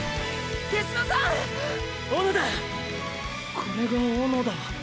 これが小野田。